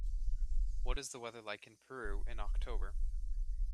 What is the weather like in Peru in October